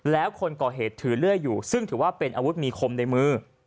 แล้วคนก่อเหตุถือเลื่อยอยู่ซึ่งถือว่าเป็นอาวุธมีคมในมือ